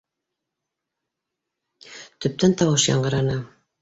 Төптән тауыш яңғыраны: